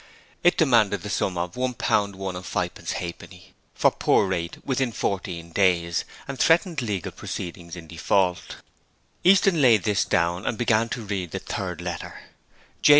It demanded the sum of £1 1s 5 1/2d for Poor Rate within fourteen days, and threatened legal proceedings in default. Easton laid this down and began to read the third letter J.